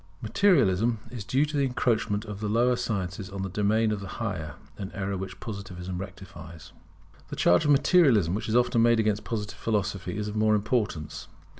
[Materialism is due to the encroachment of the lower sciences on the domain of the higher: an error which Positivism rectifies] The charge of Materialism which is often made against Positive philosophy is of more importance.